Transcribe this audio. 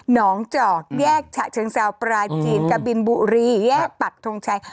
อกจอกแยกฉะเชิงเซาปลาจีนกะบินบุรีแยกปักทงชัย